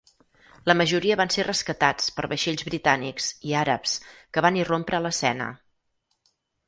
La majoria van ser rescatats per vaixells britànics i àrabs que van irrompre a l'escena.